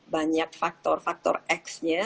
banyak faktor faktor x nya